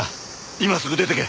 今すぐ出ていけ。